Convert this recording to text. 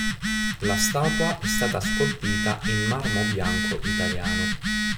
La statua è stata scolpita in marmo bianco italiano.